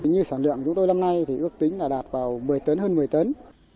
như sản lượng chúng tôi năm nay thì ước tính là đạt vào một mươi tấn hơn một mươi tấn